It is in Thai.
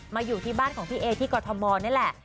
อยู่ที่บ้านของพี่เอที่กรทมนี่แหละ